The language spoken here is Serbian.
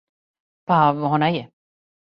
Па, она је.